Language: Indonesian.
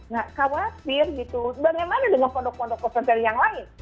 nah khawatir gitu bagaimana dengan pondok pondok pesantren yang lain